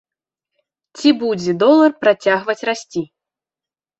Ці будзе долар працягваць расці?